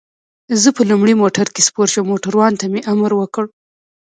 زه په لومړي موټر کې سپور شوم، موټروان ته مې امر وکړ.